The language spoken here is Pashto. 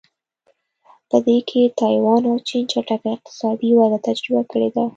په دې کې تایوان او چین چټکه اقتصادي وده تجربه کړې ده.